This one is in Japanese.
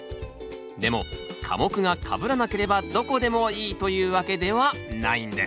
でも科目がかぶらなければどこでもいいというわけではないんです